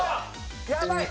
やばい！